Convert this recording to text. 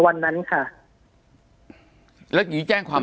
ปากกับภาคภูมิ